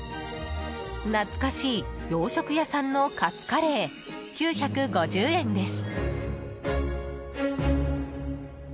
懐かしい、洋食屋さんのかつカレー、９５０円です。